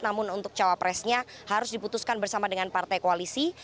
namun untuk cawapresnya harus diputuskan bersama dengan partai koalisi